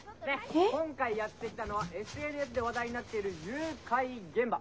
「今回やって来たのはＳＮＳで話題になっている誘拐現場！